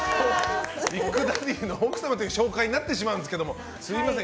ビッグダディの奥様という紹介になってしまいますがすみません